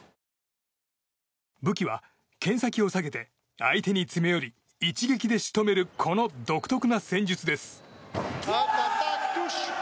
武器は剣先を下げて相手に詰め寄り一撃で仕留めるこの独特な戦術です。